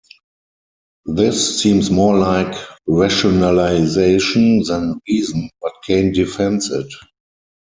This seems more like rationalization than reason, but Kane defends it.